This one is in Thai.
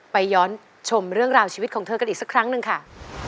ย้อนชมเรื่องราวชีวิตของเธอกันอีกสักครั้งหนึ่งค่ะ